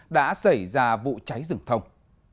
đã xảy ra vụ cháy rừng thông